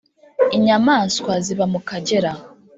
inyamanswa ziba mu Kagera